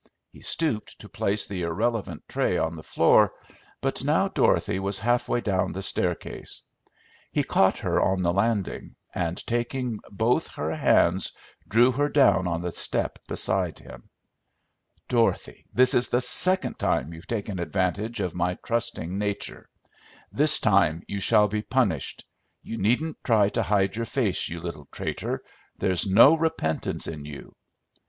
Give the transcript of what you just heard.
He stooped to place the irrelevant tray on the floor, but now Dorothy was halfway down the staircase. He caught her on the landing, and taking both her hands drew her down on the step beside him. "Dorothy, this is the second time you've taken advantage of my trusting nature. This time you shall be punished. You needn't try to hide your face, you little traitor. There's no repentance in you!"